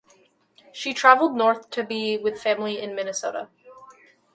She travelled north to be with family in Minnesota.